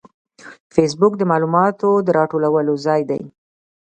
فېسبوک د معلوماتو د راټولولو ځای دی